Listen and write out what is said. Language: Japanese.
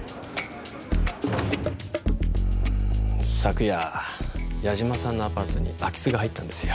昨夜八嶋さんのアパートに空き巣が入ったんですよ。